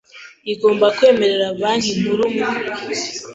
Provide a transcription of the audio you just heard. igomba kwemerera Banki Nkuru mu